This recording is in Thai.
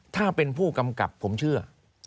ถ้าเป็นผู้กำกับผมเชื่อ